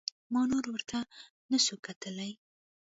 ما نور ورته نسو کتلاى.